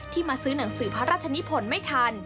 มาซื้อหนังสือพระราชนิพลไม่ทัน